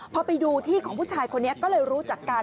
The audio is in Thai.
พอไปดูที่ของผู้ชายคนนี้ก็เลยรู้จักกัน